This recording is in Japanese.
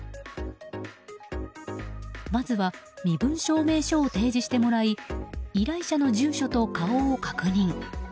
まずは身分証明書を提示してもらい依頼者の住所と顔を確認。